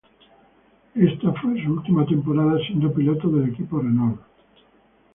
Esta fue su última temporada siendo piloto del equipo Renault.